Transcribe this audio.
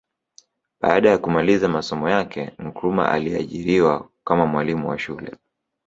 Baada ya kumaliza masomo yake Nkrumah aliajiriwa kama mwalimu wa shule